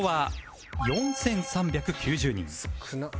少なっ。